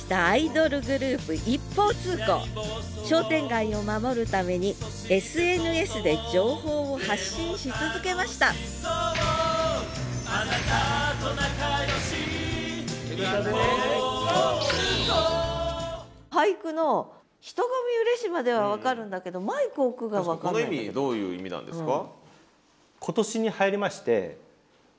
商店街を守るためにＳＮＳで情報を発信し続けました俳句の「人混み嬉し」までは分かるんだけどこの意味どういう意味なんですか？